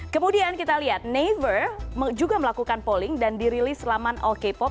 kemudian kita lihat naver juga melakukan polling dan dirilis selama all k pop